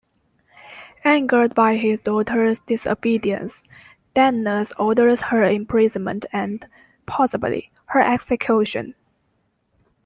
Angered by his daughter's disobedience, Danaus orders her imprisonment and, possibly, her execution.